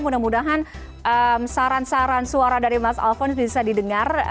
mudah mudahan saran saran suara dari mas alphon bisa didengar